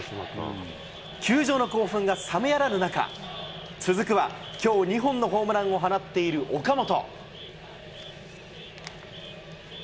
球場の興奮が冷めやらぬ中、続くは、きょう２本のホームランを放っている岡本。